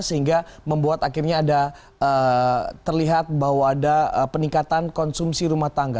sehingga membuat akhirnya ada terlihat bahwa ada peningkatan konsumsi rumah tangga